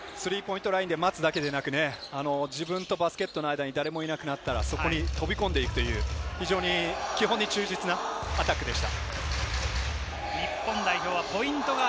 スリーポイントラインで回すだけではなく、自分とのバスケットの間に誰もいなくなったら、飛び込んでいくという基本に忠実なアタックでした。